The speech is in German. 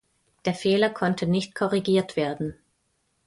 Der Fehler konnte nicht korrigiert werden.